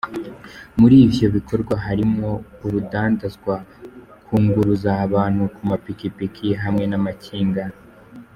Muri ivyo bikorwa harimwo urudandazwa, kwunguruza abantu ko mapikipiki hamwe n'amakinga.